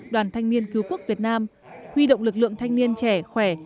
đoàn thanh niên cứu quốc việt nam huy động lực lượng thanh niên trẻ khỏe